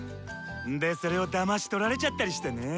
んでそれをだましとられちゃったりしてネ。